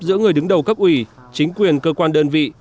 giữa người đứng đầu cấp ủy chính quyền cơ quan đơn vị